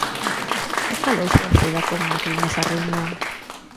¿Que falou Cerceda con Macri nesa reunión?